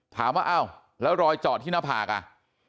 ถามว่าอ้าวแล้วรอยเจาะที่หน้าผากอ่ะ